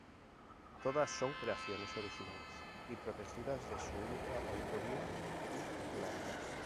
Todas son creaciones originales y protegidas de su única autoría y titularidad.